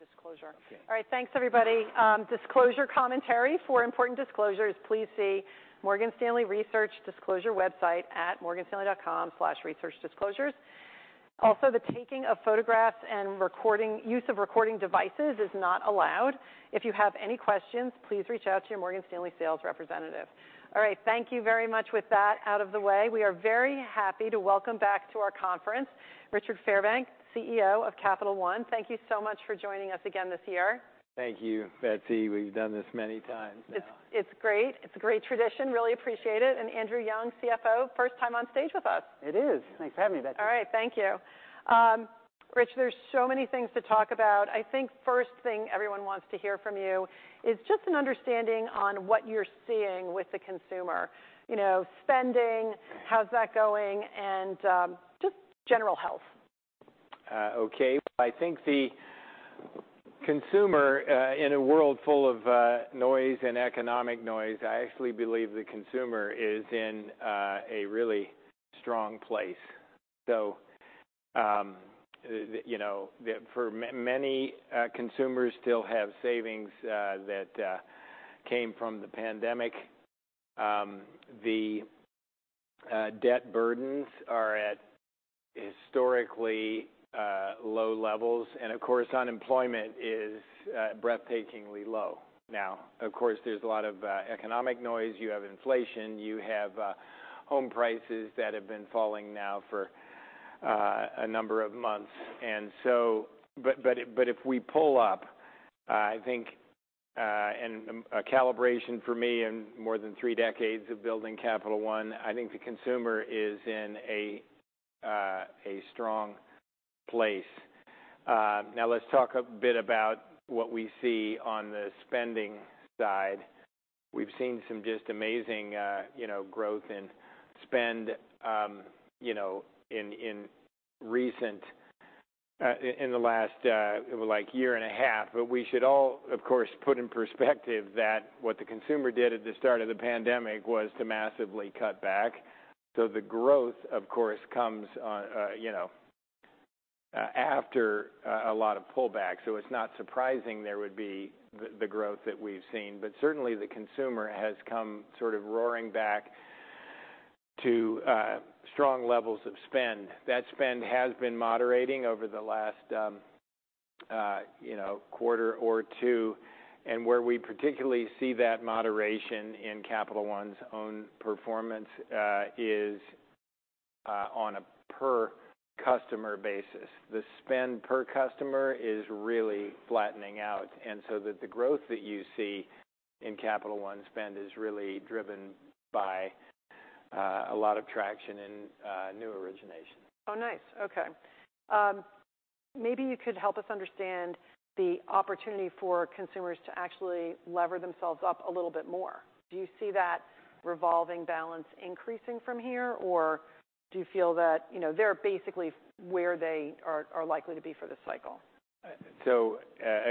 Read a disclosure. Thanks, everybody. Disclosure commentary: For important disclosures, please see Morgan Stanley Research Disclosure website at morganstanley.com/researchdisclosures. The taking of photographs and recording devices is not allowed. If you have any questions, please reach out to your Morgan Stanley sales representative. Thank you very much. With that out of the way, we are very happy to welcome back to our conference Richard Fairbank, CEO of Capital One. Thank you so much for joining us again this year. Thank you, Betsy. We've done this many times now. It's great. It's a great tradition. Really appreciate it. Andrew Young, CFO, first time on stage with us. It is. Thanks for having me, Betsy. All right. Thank you. Rich, there's so many things to talk about. I think first thing everyone wants to hear from you is just an understanding on what you're seeing with the consumer. You know, spending, how's that going, and, just general health. Okay. Well, I think the consumer, in a world full of noise and economic noise, I actually believe the consumer is in a really strong place. You know, many consumers still have savings that came from the pandemic. The debt burdens are at historically low levels, and of course, unemployment is breathtakingly low. Of course, there's a lot of economic noise. You have inflation. You have home prices that have been falling now for a number of months. If we pull up, I think, and a calibration for me in more than three decades of building Capital One, I think the consumer is in a strong place. Now let's talk a bit about what we see on the spending side. We've seen some just amazing, you know, growth in spend, you know, in recent, in the last, well, like year and a half. We should all, of course, put in perspective that what the consumer did at the start of the pandemic was to massively cut back. The growth, of course, comes on, you know, after a lot of pullback, so it's not surprising there would be the growth that we've seen. Certainly, the consumer has come sort of roaring back to strong levels of spend. That spend has been moderating over the last, you know, quarter or two, and where we particularly see that moderation in Capital One's own performance, is on a per-customer basis. The spend per customer is really flattening out, and so that the growth that you see in Capital One spend is really driven by a lot of traction in new origination. Oh, nice. Okay. Maybe you could help us understand the opportunity for consumers to actually lever themselves up a little bit more. Do you see that revolving balance increasing from here, or do you feel that, you know, they're basically where they are likely to be for this cycle?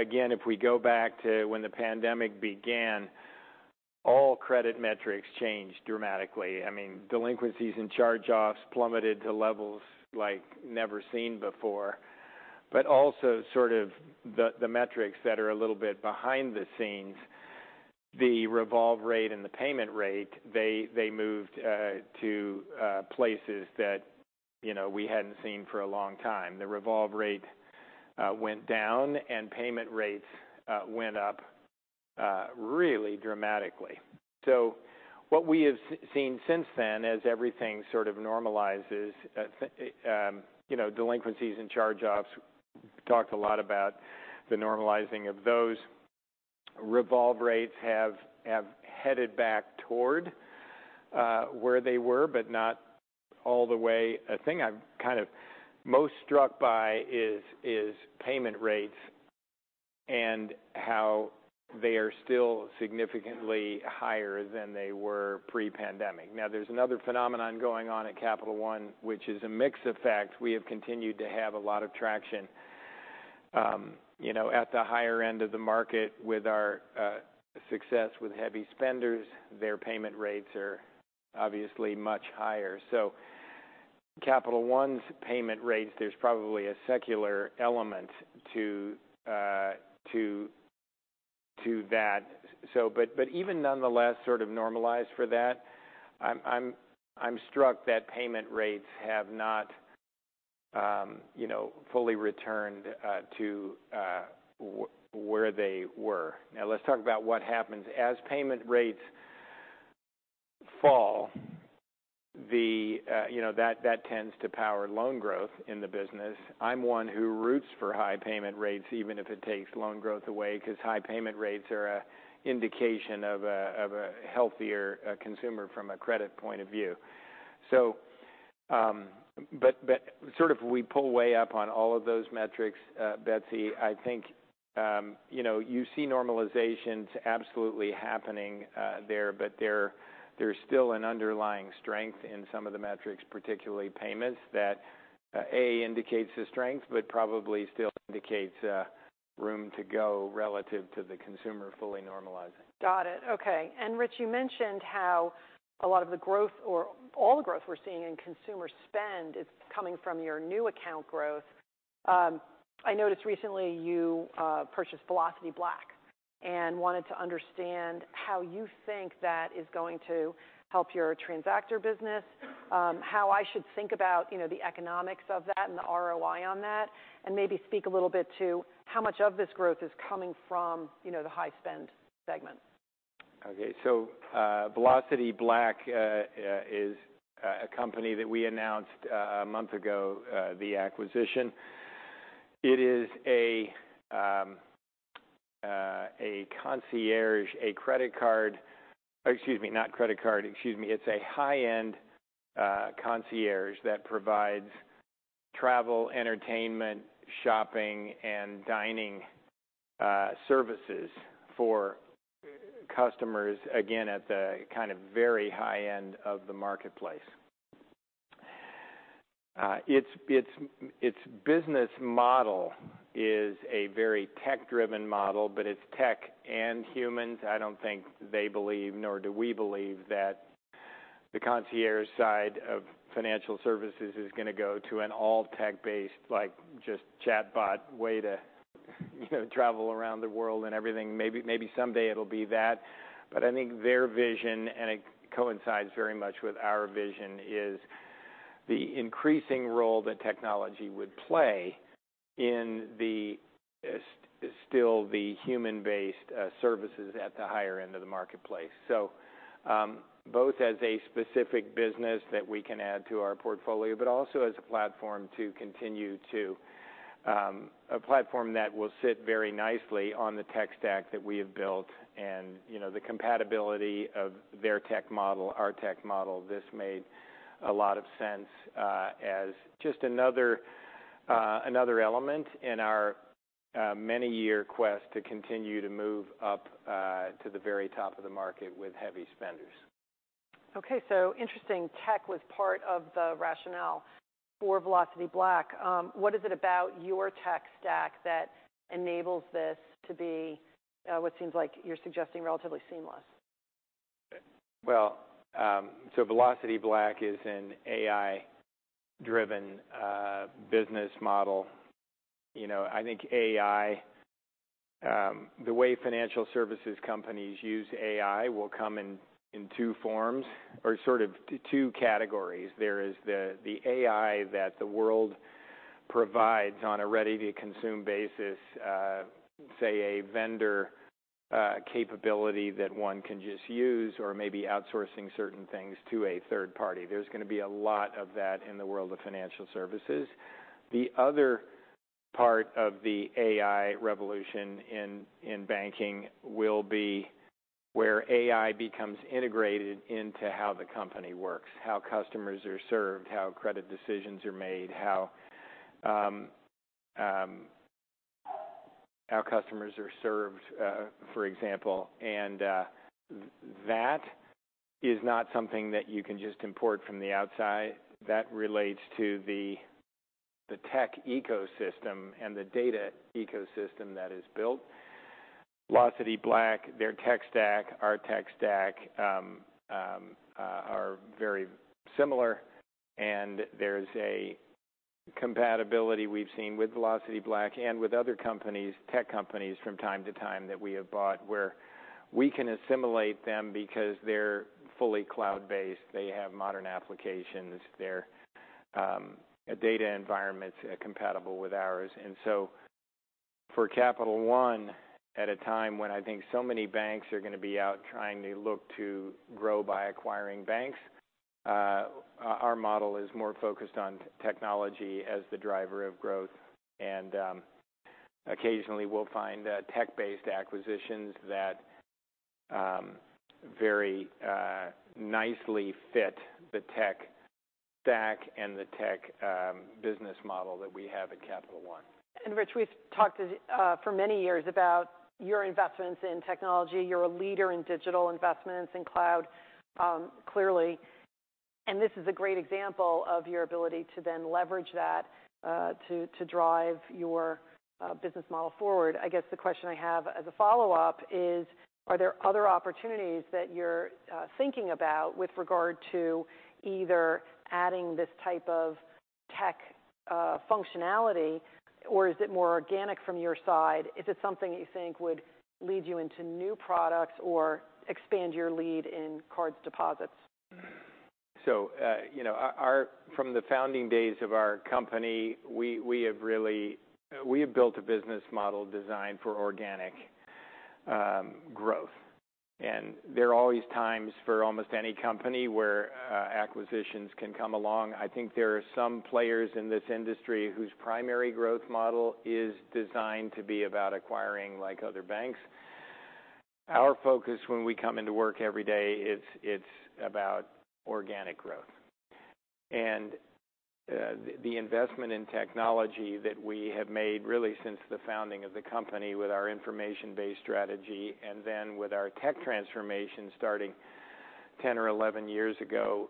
Again, if we go back to when the pandemic began, all credit metrics changed dramatically. I mean, delinquencies and charge-offs plummeted to levels like never seen before. Also, sort of the metrics that are a little bit behind the scenes, the revolve rate and the payment rate, they moved to places that, you know, we hadn't seen for a long time. The revolve rate went down, and payment rates went up really dramatically. What we have seen since then, as everything sort of normalizes, you know, delinquencies and charge-offs, talked a lot about the normalizing of those. Revolve rates have headed back toward where they were, but not all the way. A thing I'm kind of most struck by is payment rates and how they are still significantly higher than they were pre-pandemic. There's another phenomenon going on at Capital One, which is a mix effect. We have continued to have a lot of traction, you know, at the higher end of the market with our success with heavy spenders. Their payment rates are obviously much higher. Capital One's payment rates, there's probably a secular element to that. Even nonetheless, sort of normalized for that, I'm, I'm struck that payment rates have not, you know, fully returned to where they were. Let's talk about what happens. As payment rates fall, you know, that tends to power loan growth in the business. I'm one who roots for high payment rates, even if it takes loan growth away, 'cause high payment rates are a indication of a healthier consumer from a credit point of view. Sort of we pull way up on all of those metrics, Betsy, I think, you know, you see normalizations absolutely happening there, but there's still an underlying strength in some of the metrics, particularly payments, that A, indicates the strength, but probably still indicates room to go relative to the consumer fully normalizing. Got it. Okay. Rich, you mentioned how a lot of the growth, or all the growth we're seeing in consumer spend is coming from your new account growth. I noticed recently you purchased Velocity Black and wanted to understand how you think that is going to help your transactor business. How I should think about, you know, the economics of that and the ROI on that, and maybe speak a little bit to how much of this growth is coming from, you know, the high-spend segment? Okay, Velocity Black, is a company that we announced a month ago, the acquisition. It is a concierge, a credit card-- Excuse me, not credit card. Excuse me. It's a high-end concierge that provides travel, entertainment, shopping, and dining services for customers, again, at the kind of very high end of the marketplace. Its business model is a very tech-driven model, but it's tech and humans. I don't think they believe, nor do we believe, that the concierge side of financial services is gonna go to an all tech-based, like, just chatbot way to, you know, travel around the world and everything. Maybe someday it'll be that. I think their vision, and it coincides very much with our vision, is the increasing role that technology would play in the still the human-based services at the higher end of the marketplace. Both as a specific business that we can add to our portfolio, but also a platform that will sit very nicely on the tech stack that we have built. You know, the compatibility of their tech model, our tech model, this made a lot of sense, as just another element in our many-year quest to continue to move up to the very top of the market with heavy spenders. Interesting. Tech was part of the rationale for Velocity Black. What is it about your tech stack that enables this to be, what seems like you're suggesting, relatively seamless? Velocity Black is an AI-driven business model. You know, I think AI, the way financial services companies use AI will come in two forms or two categories. There is the AI that the world provides on a ready-to-consume basis, say, a vendor capability that one can just use or maybe outsourcing certain things to a third party. There's gonna be a lot of that in the world of financial services. The other part of the AI revolution in banking will be where AI becomes integrated into how the company works, how customers are served, how credit decisions are made, how customers are served, for example. That is not something that you can just import from the outside. That relates to the tech ecosystem and the data ecosystem that is built. Velocity Black, their tech stack, our tech stack, are very similar, and there's a compatibility we've seen with Velocity Black and with other companies, tech companies, from time to time that we have bought, where we can assimilate them because they're fully cloud-based. They have modern applications. Their data environment's compatible with ours. So for Capital One, at a time when I think so many banks are gonna be out trying to look to grow by acquiring banks, our model is more focused on technology as the driver of growth. Occasionally we'll find tech-based acquisitions that very nicely fit the tech stack and the tech business model that we have at Capital One. Rich, we've talked for many years about your investments in technology. You're a leader in digital investments, in cloud, clearly, and this is a great example of your ability to then leverage that to drive your business model forward. I guess the question I have as a follow-up is: Are there other opportunities that you're thinking about with regard to either adding this type of tech functionality, or is it more organic from your side? Is it something that you think would lead you into new products or expand your lead in cards deposits? You know, from the founding days of our company, we have really built a business model designed for organic growth. There are always times for almost any company where acquisitions can come along. I think there are some players in this industry whose primary growth model is designed to be about acquiring, like other banks. Our focus when we come into work every day, it's about organic growth. The investment in technology that we have made, really since the founding of the company with our information-based strategy and then with our tech transformation starting 10 or 11 years ago.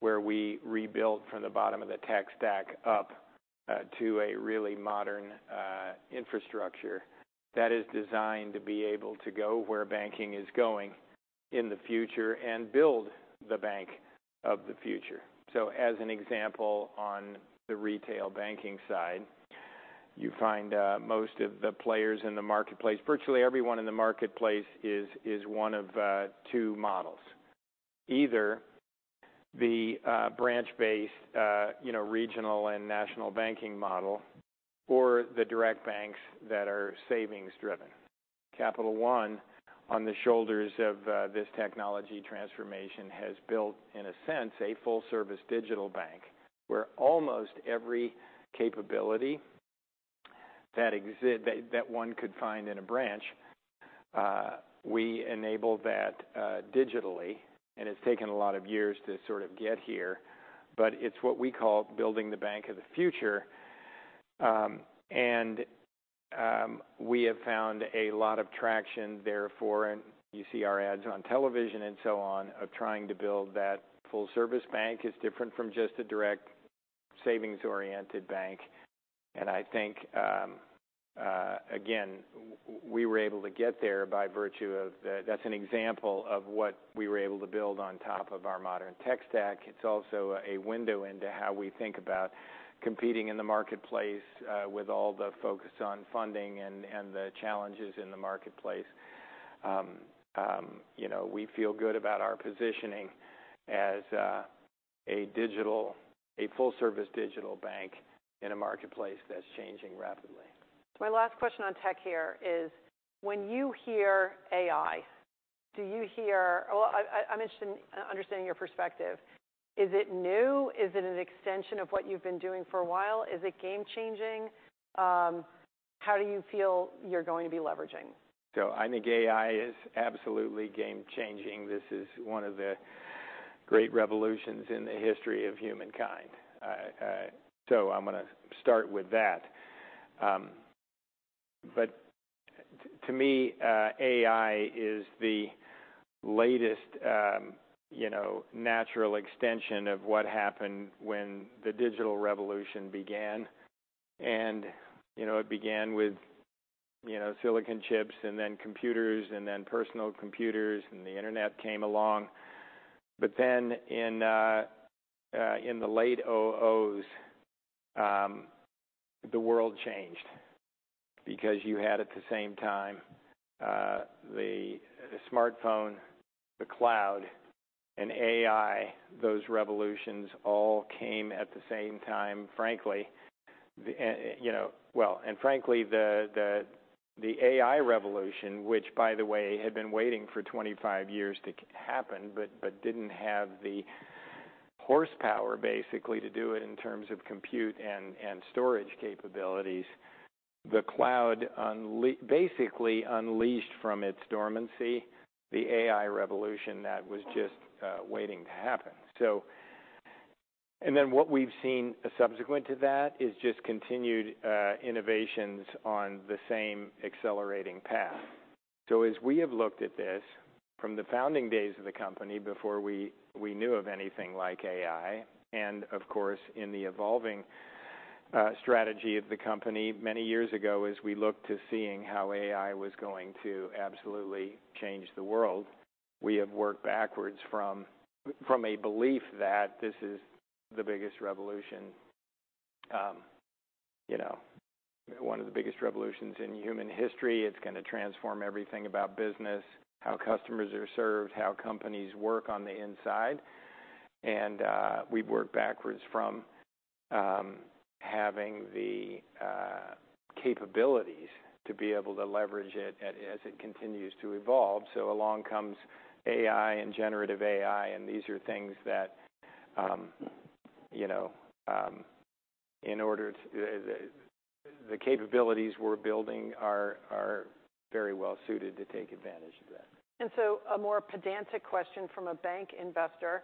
Where we rebuilt from the bottom of the tech stack up, to a really modern, infrastructure that is designed to be able to go where banking is going in the future and build the bank of the future. As an example, on the retail banking side, you find, most of the players in the marketplace, virtually everyone in the marketplace is one of two models: either the branch-based, you know, regional and national banking model or the direct banks that are savings-driven. Capital One, on the shoulders of this technology transformation, has built, in a sense, a full-service digital bank, where almost every capability that one could find in a branch, we enable that digitally. It's taken a lot of years to sort of get here, but it's what we call building the bank of the future. We have found a lot of traction therefore, and you see our ads on television and so on, of trying to build that full-service bank. It's different from just a direct savings-oriented bank, and I think, again, we were able to get there. That's an example of what we were able to build on top of our modern tech stack. It's also a window into how we think about competing in the marketplace, with all the focus on funding and the challenges in the marketplace. You know, we feel good about our positioning as a full-service digital bank in a marketplace that's changing rapidly. My last question on tech here is: when you hear AI, do you hear? I'm interested in understanding your perspective. Is it new? Is it an extension of what you've been doing for a while? Is it game-changing? How do you feel you're going to be leveraging? I think AI is absolutely game-changing. This is one of the great revolutions in the history of humankind. I'm going to start with that. To me, AI is the latest, you know, natural extension of what happened when the digital revolution began. You know, it began with, you know, silicon chips, and then computers, and then personal computers, and the internet came along. In the late oh-ohs, the world changed because you had, at the same time, the smartphone, the cloud, and AI. Those revolutions all came at the same time. The AI revolution, which by the way, had been waiting for 25 years to happen, but didn't have the horsepower basically to do it in terms of compute and storage capabilities. The cloud basically unleashed from its dormancy the AI revolution that was just waiting to happen. What we've seen subsequent to that is just continued innovations on the same accelerating path. As we have looked at this from the founding days of the company, before we knew of anything like AI, and of course, in the evolving strategy of the company many years ago, as we looked to seeing how AI was going to absolutely change the world, we have worked backwards from a belief that this is the biggest revolution, you know, one of the biggest revolutions in human history. It's going to transform everything about business, how customers are served, how companies work on the inside. We've worked backwards from having the capabilities to be able to leverage it as it continues to evolve. Along comes AI and generative AI, and these are things that, you know, the capabilities we're building are very well suited to take advantage of that. A more pedantic question from a bank investor,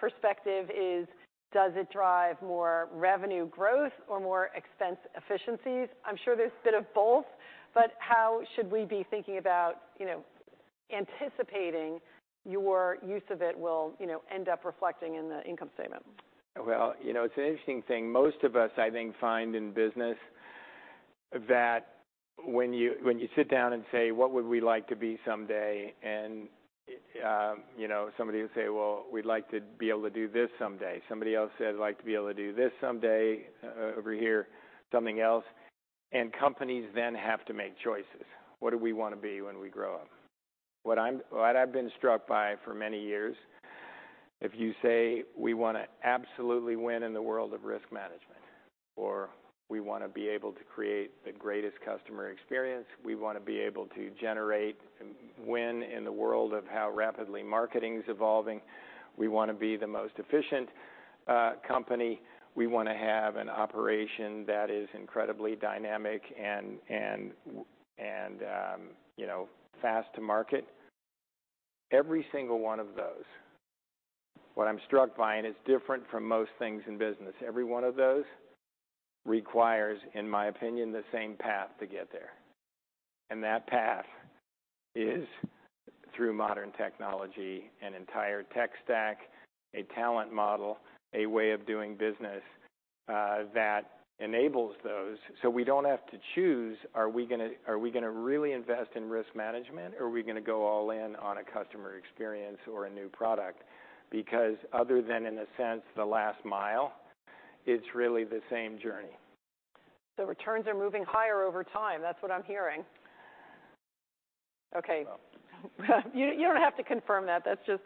perspective is: Does it drive more revenue growth or more expense efficiencies? I'm sure there's a bit of both, but how should we be thinking about, you know, anticipating your use of it will, you know, end up reflecting in the income statement? Well, you know, it's an interesting thing. Most of us, I think, find in business that when you sit down and say: What would we like to be someday? You know, somebody will say, "Well, we'd like to be able to do this someday." Somebody else says, "I'd like to be able to do this someday." over here, something else. Companies then have to make choices. What do we want to be when we grow up? What I've been struck by for many years, if you say, "We want to absolutely win in the world of risk management," or, "We want to be able to create the greatest customer experience. We want to be able to generate and win in the world of how rapidly marketing is evolving. We want to be the most efficient company. We want to have an operation that is incredibly dynamic and, you know, fast to market." Every single one of those, what I'm struck by, and it's different from most things in business, every one of those requires, in my opinion, the same path to get there. That path is through modern technology, an entire tech stack, a talent model, a way of doing business that enables those. We don't have to choose: are we gonna really invest in risk management, or are we gonna go all in on a customer experience or a new product? Other than, in a sense, the last mile, it's really the same journey. Returns are moving higher over time. That's what I'm hearing. Okay. You don't have to confirm that. That's just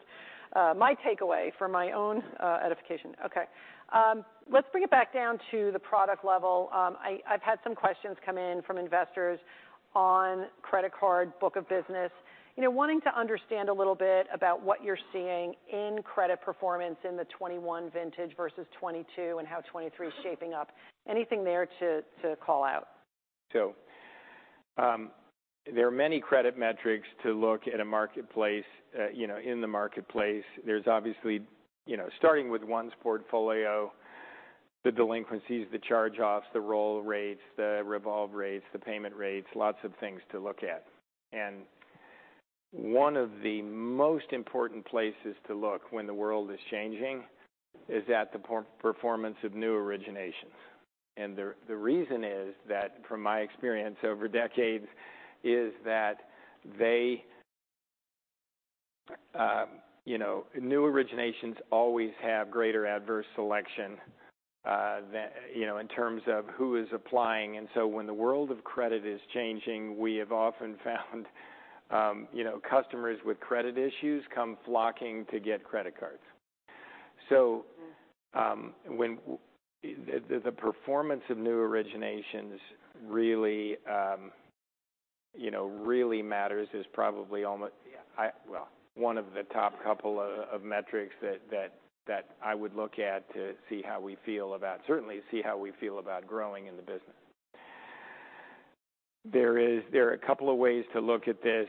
my takeaway for my own edification. Okay. Let's bring it back down to the product level. I've had some questions come in from investors on credit card book of business. You know, wanting to understand a little bit about what you're seeing in credit performance in the 2021 vintage versus 2022 and how 2023 is shaping up. Anything there to call out? There are many credit metrics to look at a marketplace, you know, in the marketplace. There's obviously, you know, starting with one's portfolio, the delinquencies, the charge-offs, the roll rates, the revolve rates, the payment rates, lots of things to look at. One of the most important places to look when the world is changing is at the performance of new originations. The, the reason is that, from my experience over decades, is that they, you know, new originations always have greater adverse selection, than... You know, in terms of who is applying. When the world of credit is changing, we have often found, you know, customers with credit issues come flocking to get credit cards. Mm When the performance of new originations really, you know, really matters, is probably well, one of the top couple of metrics that I would look at to see how we feel about, certainly see how we feel about growing in the business. There are a couple of ways to look at this.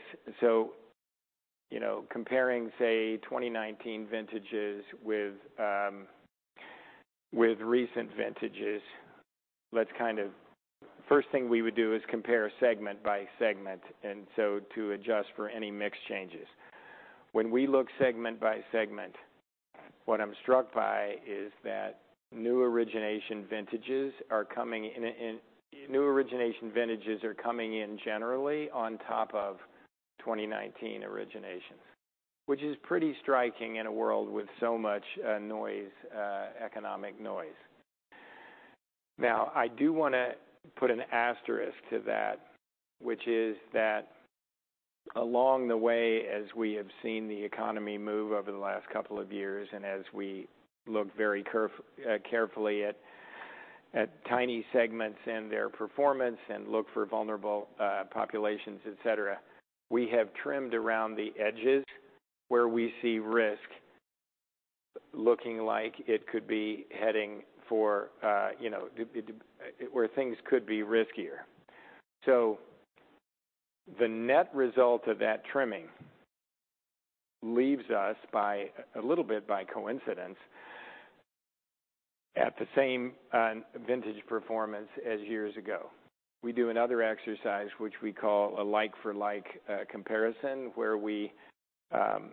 You know, comparing, say, 2019 vintages with recent vintages, let's first thing we would do is compare segment by segment, and so to adjust for any mix changes. When we look segment by segment, what I'm struck by is that new origination vintages are coming in generally on top of 2019 originations, which is pretty striking in a world with so much noise, economic noise. I do wanna put an asterisk to that, which is that along the way, as we have seen the economy move over the last couple of years, as we look very carefully at tiny segments and their performance and look for vulnerable populations, et cetera, we have trimmed around the edges where we see risk looking like it could be heading for, you know, where things could be riskier. The net result of that trimming leaves us by, a little bit by coincidence, at the same vintage performance as years ago. We do another exercise, which we call a like-for-like comparison, where we test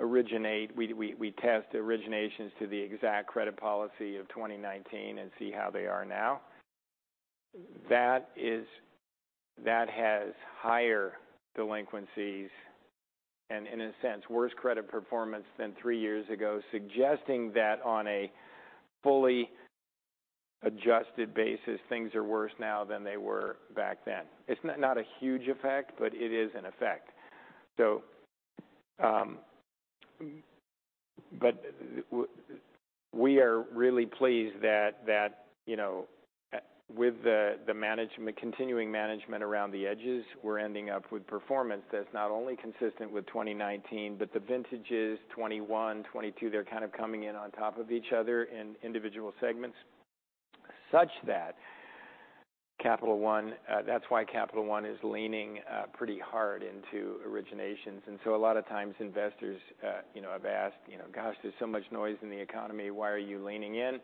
originations to the exact credit policy of 2019 and see how they are now. That has higher delinquencies and in a sense, worse credit performance than three years ago, suggesting that on a fully adjusted basis, things are worse now than they were back then. It's not a huge effect, but it is an effect. But we are really pleased that, you know, with the management, continuing management around the edges, we're ending up with performance that's not only consistent with 2019, but the vintages 2021, 2022, they're kind of coming in on top of each other in individual segments, such that Capital One, that's why Capital One is leaning pretty hard into originations. A lot of times investors, you know, have asked, "You know, gosh, there's so much noise in the economy, why are you leaning in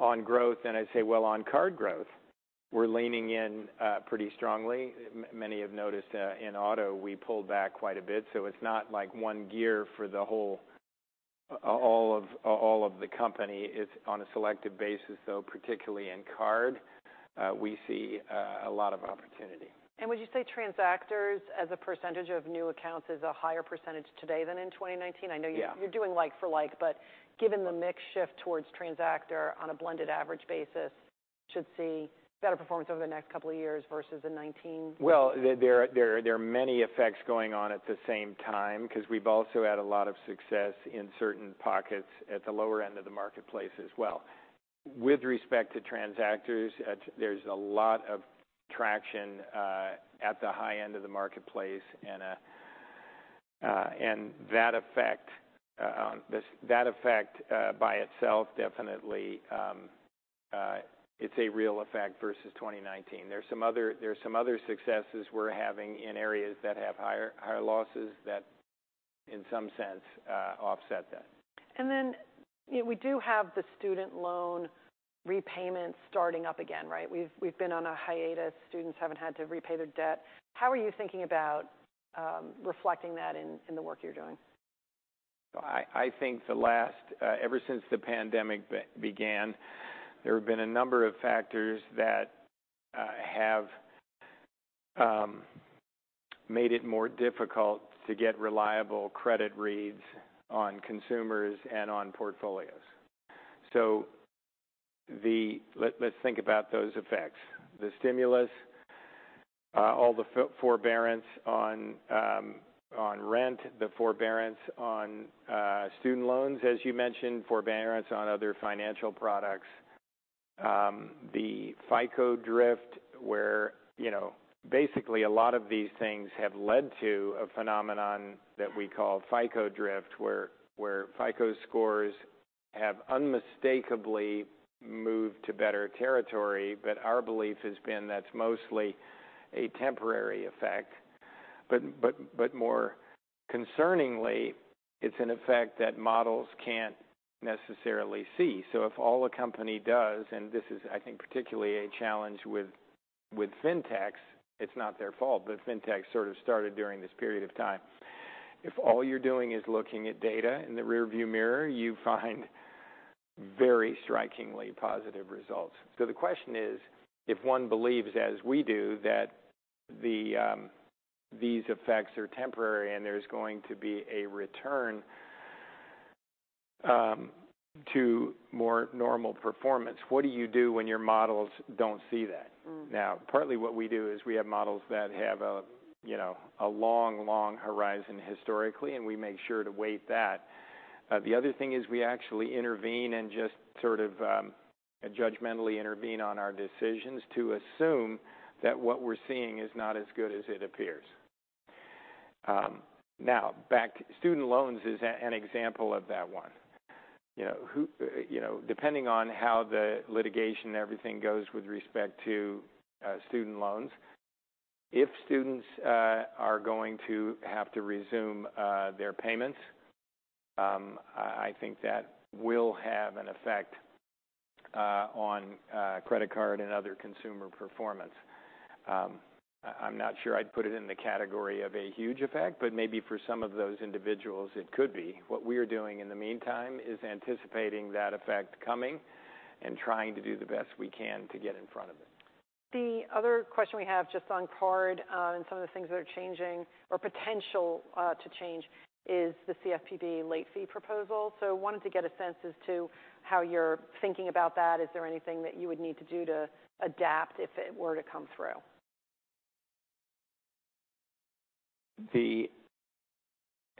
on growth?" I say, "Well, on card growth, we're leaning in pretty strongly." Many have noticed, in auto, we pulled back quite a bit, so it's not like one gear for all of the company. It's on a selective basis, though. Particularly in card, we see a lot of opportunity. Would you say transactors as a percentage of new accounts is a higher percentage today than in 2019? Yeah. I know you're doing like-for-like, but given the mix shift towards transactor on a blended average basis, should see better performance over the next couple of years versus in 2019- Well, there are many effects going on at the same time, 'cause we've also had a lot of success in certain pockets at the lower end of the marketplace as well. With respect to transactors, there's a lot of traction at the high end of the marketplace, and that effect by itself, definitely, it's a real effect versus 2019. There are some other successes we're having in areas that have higher losses that in some sense offset that. You know, we do have the student loan repayments starting up again, right? We've been on a hiatus. Students haven't had to repay their debt. How are you thinking about reflecting that in the work you're doing? I think the last ever since the pandemic began, there have been a number of factors that have made it more difficult to get reliable credit reads on consumers and on portfolios. Let's think about those effects. The stimulus, all the forbearance on rent, the forbearance on student loans, as you mentioned, forbearance on other financial products. The FICO drift, where, you know, basically a lot of these things have led to a phenomenon that we call FICO drift, where FICO scores have unmistakably moved to better territory. Our belief has been that's mostly a temporary effect. More concerningly, it's an effect that models can't necessarily see. If all a company does, and this is, I think, particularly a challenge with fintechs, it's not their fault, but fintechs sort of started during this period of time. If all you're doing is looking at data in the rearview mirror, you find very strikingly positive results. The question is, if one believes, as we do, that the these effects are temporary and there's going to be a return to more normal performance, what do you do when your models don't see that? Mm. Partly what we do is we have models that have a, you know, a long, long horizon historically, and we make sure to weight that. The other thing is we actually intervene and just sort of, judgmentally intervene on our decisions to assume that what we're seeing is not as good as it appears. Student loans is an example of that one. You know, who, you know, depending on how the litigation and everything goes with respect to student loans, if students are going to have to resume their payments, I think that will have an effect on credit card and other consumer performance. I'm not sure I'd put it in the category of a huge effect, but maybe for some of those individuals it could be. What we are doing in the meantime is anticipating that effect coming and trying to do the best we can to get in front of it. The other question we have, just on card, and some of the things that are changing or potential, to change, is the CFPB late fee proposal. I wanted to get a sense as to how you're thinking about that. Is there anything that you would need to do to adapt if it were to come through?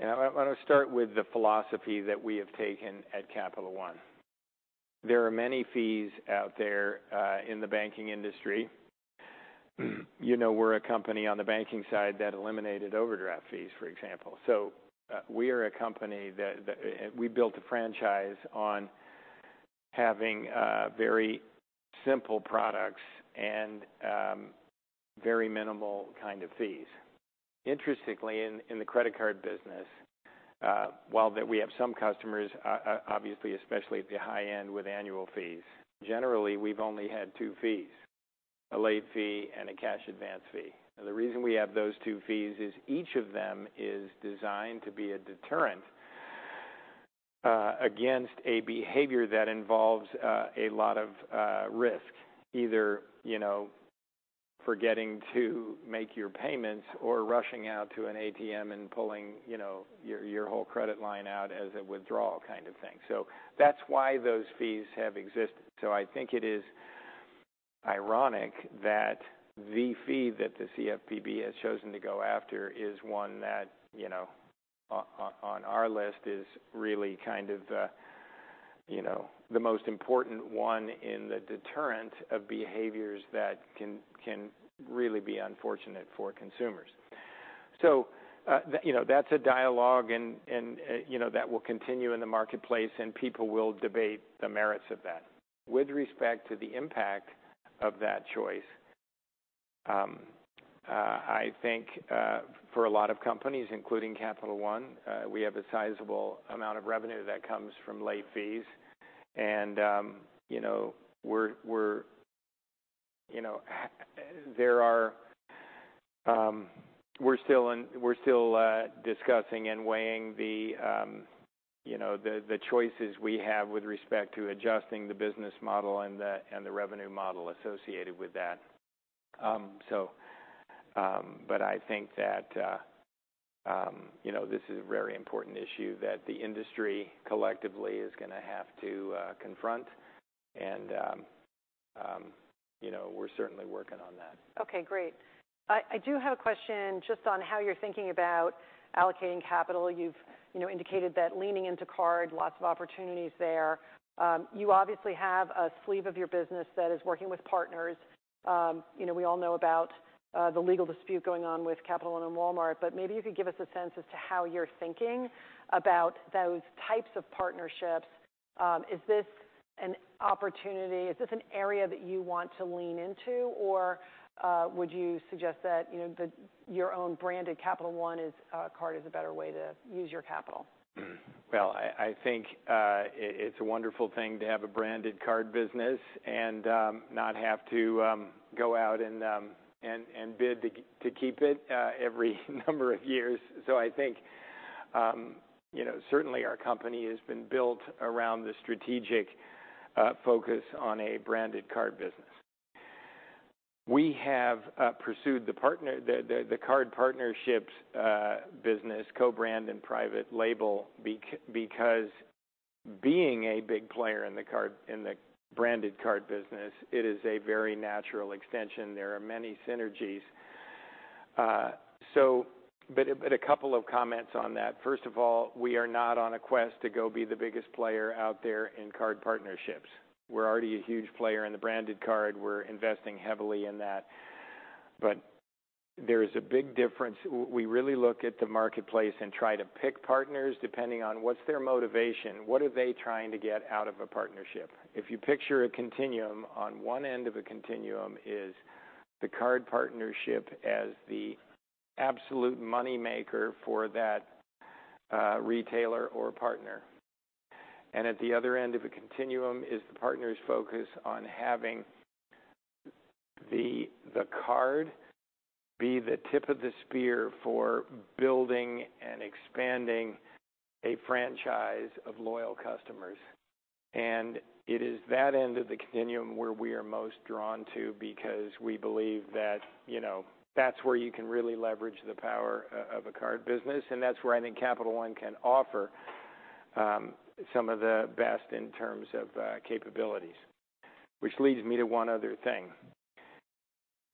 I want to start with the philosophy that we have taken at Capital One. There are many fees out there in the banking industry. You know, we're a company on the banking side that eliminated overdraft fees, for example. We are a company that built a franchise on having very simple products and very minimal kind of fees. Interestingly, in the credit card business, while that we have some customers, obviously, especially at the high end with annual fees, generally, we've only had two fees: a late fee and a cash advance fee. The reason we have those two fees is each of them is designed to be a deterrent against a behavior that involves a lot of risk. Either, you know, forgetting to make your payments or rushing out to an ATM and pulling, you know, your whole credit line out as a withdrawal kind of thing. That's why those fees have existed. I think it is ironic that the fee that the CFPB has chosen to go after is one that, you know, on our list, is really kind of the, you know, the most important one in the deterrent of behaviors that can really be unfortunate for consumers. You know, that's a dialogue and, you know, that will continue in the marketplace, and people will debate the merits of that. With respect to the impact of that choice, I think for a lot of companies, including Capital One, we have a sizable amount of revenue that comes from late fees. You know, we're still discussing and weighing the, you know, the choices we have with respect to adjusting the business model and the revenue model associated with that. I think that, you know, this is a very important issue that the industry collectively is gonna have to confront. You know, we're certainly working on that. Okay, great. I do have a question just on how you're thinking about allocating capital. You've, you know, indicated that leaning into card, lots of opportunities there. You obviously have a sleeve of your business that is working with partners. You know, we all know about the legal dispute going on with Capital One and Walmart, but maybe you could give us a sense as to how you're thinking about those types of partnerships. Is this an opportunity? Is this an area that you want to lean into, or would you suggest that, you know, your own branded Capital One card is a better way to use your capital? I think it's a wonderful thing to have a branded card business and not have to go out and bid to keep it every number of years. I think, you know, certainly our company has been built around the strategic focus on a branded card business. We have pursued the card partnerships business, co-brand and private label, because being a big player in the branded card business, it is a very natural extension. There are many synergies. A couple of comments on that. First of all, we are not on a quest to go be the biggest player out there in card partnerships. We're already a huge player in the branded card. We're investing heavily in that. There is a big difference. We really look at the marketplace and try to pick partners, depending on what's their motivation, what are they trying to get out of a partnership? If you picture a continuum, on one end of a continuum is the card partnership as the absolute money maker for that retailer or partner. At the other end of the continuum is the partner's focus on having the card be the tip of the spear for building and expanding a franchise of loyal customers. It is that end of the continuum where we are most drawn to because we believe that, you know, that's where you can really leverage the power of a card business, and that's where I think Capital One can offer some of the best in terms of capabilities. Which leads me to one other thing.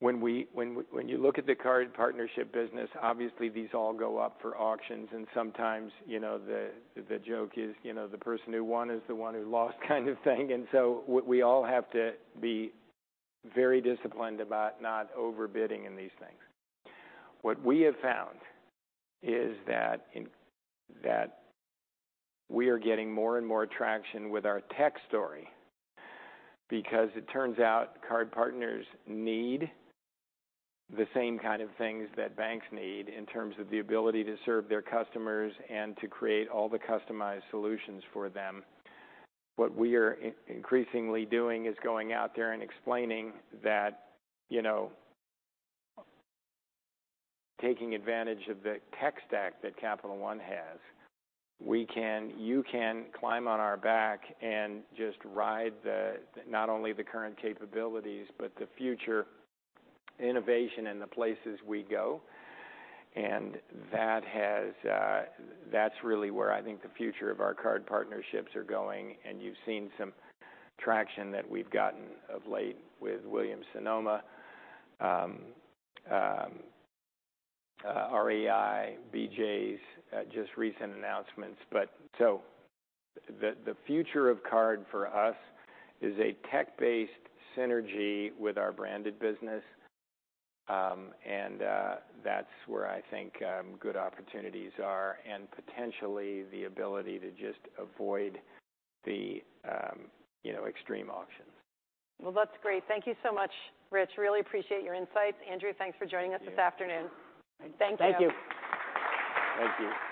When you look at the card partnership business, obviously these all go up for auctions, and sometimes, you know, the joke is, you know, the person who won is the one who lost kind of thing. So we all have to be very disciplined about not overbidding in these things. What we have found is that we are getting more and more traction with our tech story because it turns out card partners need the same kind of things that banks need in terms of the ability to serve their customers and to create all the customized solutions for them. What we are increasingly doing is going out there and explaining that, you know, taking advantage of the tech stack that Capital One has, you can climb on our back and just ride the, not only the current capabilities, but the future innovation and the places we go. That has, that's really where I think the future of our card partnerships are going. You've seen some traction that we've gotten of late with Williams Sonoma, REI, BJ's, just recent announcements. The future of card for us is a tech-based synergy with our branded business. That's where I think good opportunities are and potentially the ability to just avoid the, you know, extreme auctions. Well, that's great. Thank you so much, Rich. Really appreciate your insights. Andrew, thanks for joining us this afternoon. Yeah. Thank you. Thank you. Thank you.